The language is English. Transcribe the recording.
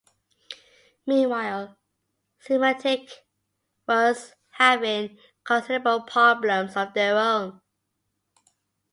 Meanwhile, Symantec was having considerable problems of their own.